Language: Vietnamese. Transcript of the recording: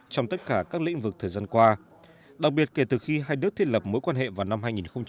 trong tất cả các lĩnh vực thời gian qua đặc biệt kể từ khi hai nước thiết lập mối quan hệ vào năm hai nghìn một mươi